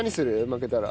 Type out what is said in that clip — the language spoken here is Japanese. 負けたら。